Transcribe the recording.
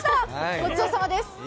ごちそうさまです。